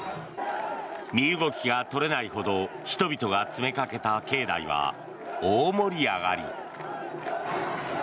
身動きが取れないほど人々が詰めかけた境内は大盛り上がり。